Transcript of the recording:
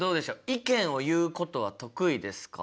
意見を言うことは得意ですか？